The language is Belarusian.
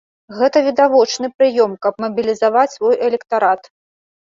Гэта відавочны прыём, каб мабілізаваць свой электарат.